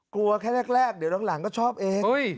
ครูว่าแค่แรกแรกเดี๋ยวดังหลังก็ชอบเองอุ้ย